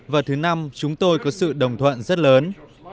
và thứ năm chúng tôi có sự đồng thuận rất lớn